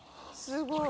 すごい。